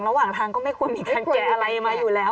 ระหว่างทางก็ไม่ควรมีการแกะอะไรมาอยู่แล้ว